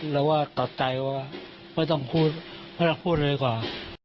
เราว่าตัดใจว่าไม่ต้องพูดไม่ต้องพูดเลยกว่า